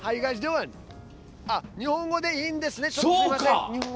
日本語でいいんですね？